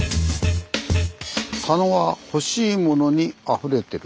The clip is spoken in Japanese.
「佐野は“ほしいモノ”にあふれてる⁉」。